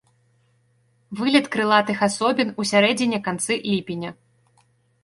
Вылет крылатых асобін у сярэдзіне-канцы ліпеня.